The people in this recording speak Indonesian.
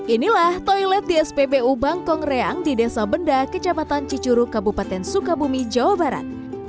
inilah toilet di spbu bangkong reang di desa benda kejabatan cicuru kabupaten sukabumi jawa barat